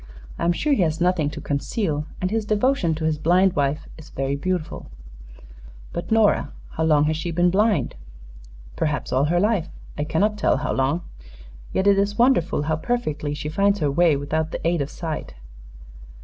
I am sure he has nothing to conceal, and his devotion to his blind wife is very beautiful." "But Nora how long has she been blind?" "Perhaps all her life; I cannot tell how long. Yet it is wonderful how perfectly she finds her way without the aid of sight.